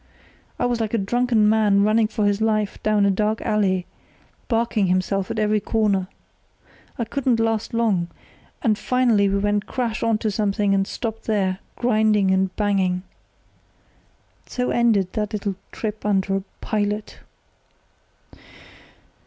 I was like a drunken man running for his life down a dark alley, barking himself at every corner. It couldn't last long, and finally we went crash on to something and stopped there, grinding and banging. So ended that little trip under a pilot.